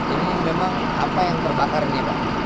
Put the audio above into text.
ini memang apa yang terbakar ini pak